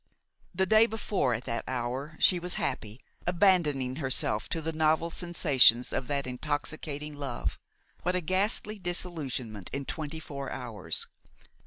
The day before, at that hour, she was happy, abandoning herself to the novel sensations of that intoxicating love. What a ghastly disillusionment in twenty four hours!